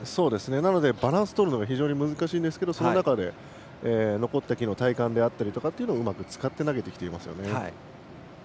なので、バランスとるのが非常に難しいですが、その中で残った機能、体幹であったりというのをうまく使って投げてきていますよね。